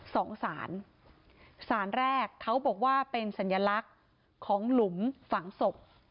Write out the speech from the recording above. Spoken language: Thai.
สารสารแรกเขาบอกว่าเป็นสัญลักษณ์ของหลุมฝังศพ